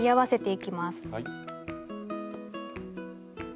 はい。